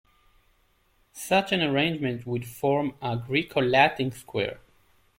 Such an arrangement would form a Graeco-Latin square.